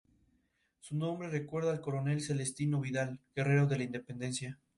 Esos territorios podrían constituirse en un futuro Estado independiente de Palestina.